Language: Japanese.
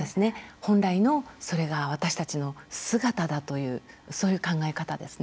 本来のそれが私たちの姿だというそういう考え方ですね。